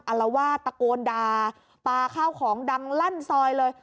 อารวาสตะโกนด่าปลาข้าวของดังลั่นซอยเลย